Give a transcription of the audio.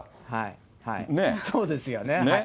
そうですよね。